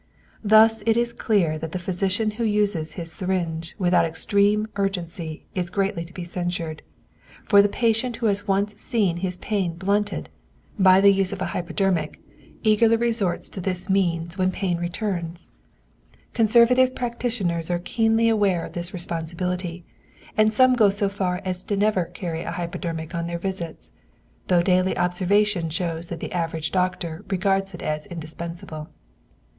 Thus it is clear that the physician who uses his syringe without extreme urgency is greatly to be censured, for the patient who has once seen his pain blunted by the use of a hypodermic eagerly resorts to this means when the pain returns. Conservative practitioners are keenly aware of this responsibility, and some go so far as never to carry a hypodermic on their visits, though daily observation shows that the average doctor regards it as indispensable.